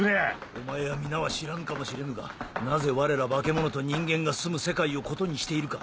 お前や皆は知らぬかもしれぬがなぜ我らバケモノと人間がすむ世界を異にしているか。